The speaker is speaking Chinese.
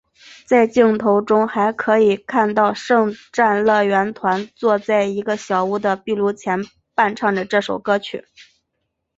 在镜头中还可以看到圣战乐团坐在一个小屋的壁炉前伴唱这首歌曲。